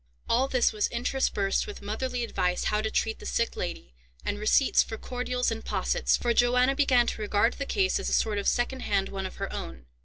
All this was interspersed with motherly advice how to treat the sick lady, and receipts for cordials and possets; for Johanna began to regard the case as a sort of second hand one of her own.